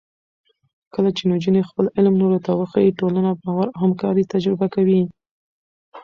کله چې نجونې خپل علم نورو ته وښيي، ټولنه باور او همکارۍ تجربه کوي.